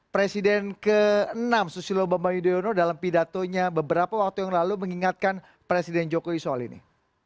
presiden ke enam susilo bambang yudhoyono dalam pidatonya beberapa waktu yang lalu mengingatkan presiden jokowi soal ini